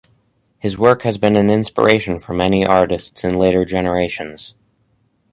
His work has been an inspiration for many artists in later generations.